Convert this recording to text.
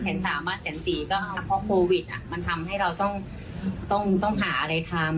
พ่อโควิทมันทำให้เราต้องหาอะไรทำ